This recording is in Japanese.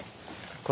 これ。